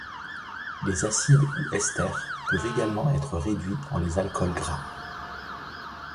Les acides ou esters peuvent également être réduits en les alcools gras.